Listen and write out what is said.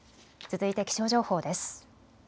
続いて気象情報です。